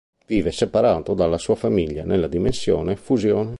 Vive separato dalla sua famiglia nella Dimensione Fusione.